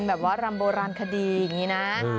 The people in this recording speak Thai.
แบบว่ารำโบราณคดีอย่างนี้นะ